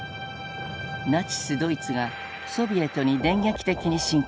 ナチス・ドイツがソビエトに電撃的に侵攻。